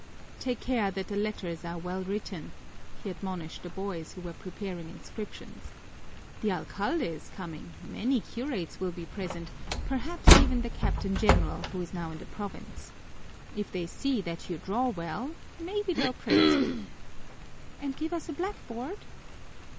"Take care that the letters are well written," he admonished the boys who were preparing inscriptions. "The alcalde is coming, many curates will be present, perhaps even the Captain General, who is now in the province. If they see that you draw well, maybe they'll praise you." "And give us a blackboard?"